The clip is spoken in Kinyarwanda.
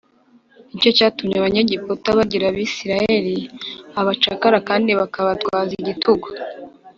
Ni cyo cyatumye abanyegiputa bagira abisirayeli abacakara kandi bakabatwaza igitugu